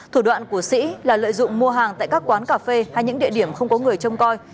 thủ đoạn của sĩ là lợi dụng mua hàng tại các quán cà phê hay những địa điểm không có người trông coi